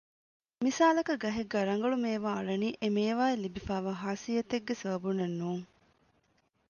މިސާލަކަށް ގަހެއްގައި ރަނގަޅު މޭވާ އަޅަނީ އެ މޭވާ އަށް ލިބިފައިވާ ޚާޞިއްޔަތެއްގެ ސަބަބުންނެއް ނޫން